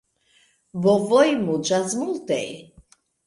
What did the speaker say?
Bovoj muĝas multe.